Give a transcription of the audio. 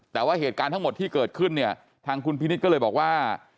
แต่ว่าเหตุการณ์ทั้งหมดที่เกิดขึ้นเนี่ยทางคุณพินิษฐ์ก็เลยบอกว่า